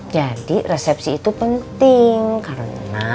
jadi resepsi itu penting karena